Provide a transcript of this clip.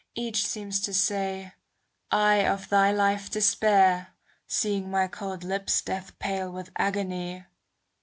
Each seems to say, " I of thy life despair," Seeing my cold lips death pale with agony.